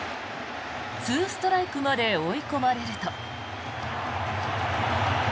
２ストライクまで追い込まれると。